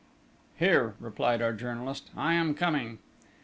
"Here!" replied our journalist. "I am coming!"